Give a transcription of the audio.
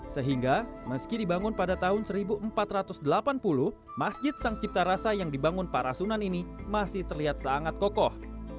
sehingga meski dibangun pada tahun seribu empat ratus delapan puluh masjid sang cipta rasa yang dibangun para sunan ini masih terlihat sangat kokoh